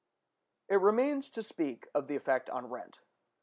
It remains to speak of the effect on rent.